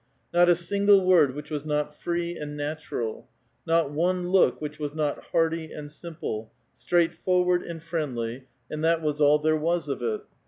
Not a single word which was not free and natural, not one look which was not hearty and simple, straightforward, and friendly, and that was all there was of it.